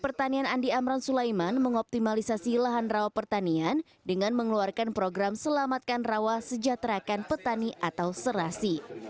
pertanian andi amran sulaiman mengoptimalisasi lahan rawa pertanian dengan mengeluarkan program selamatkan rawa sejahterakan petani atau serasi